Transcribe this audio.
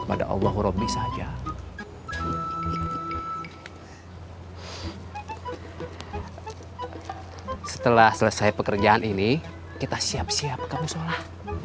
pada allah rabbi saja setelah selesai pekerjaan ini kita siap siap kami sholat